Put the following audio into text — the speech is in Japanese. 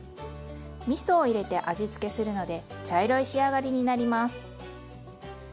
みそを入れて味付けするので茶色い仕上がりになります。